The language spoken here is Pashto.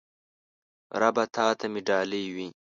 ربه تاته مې ډالۍ وی